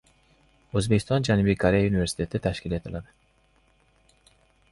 O‘zbekiston–Janubiy Koreya universiteti tashkil etiladi